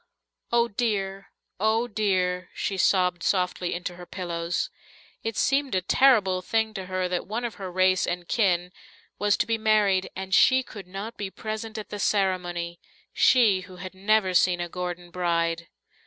"Oh, dear! oh, dear!" she sobbed softly into her pillows. It seemed a terrible thing to her that one of her race and kin was to be married and she could not be present at the ceremony, she who had never seen a Gordon bride.